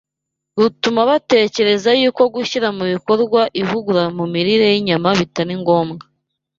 rutuma batekereza yuko gushyira mu bikorwa ivugurura mu mirire y’inyama bitari ngombwa